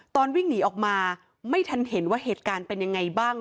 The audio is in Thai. วิ่งหนีออกมาไม่ทันเห็นว่าเหตุการณ์เป็นยังไงบ้าง